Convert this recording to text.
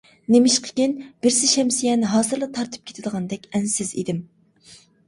نېمىشقىكىن بىرسى شەمسىيەنى ھازىرلا تارتىپ كېتىدىغاندەك ئەنسىز ئىدىم.